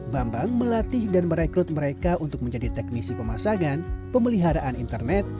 bambang melatih dan merekrut mereka untuk menjadi teknisi pemasangan pemeliharaan internet